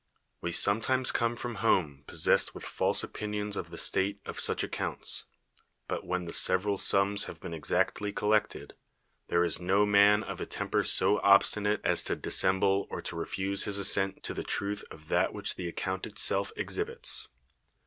"We sometimes come from home possessed Avith false opinions of the state of such accounts ; but when the several sums have been exactly collected, there is no man of a temper so ol)stinate as to dissemble or to re fuse Ills assent to the trutii of that which the account itself exhibits.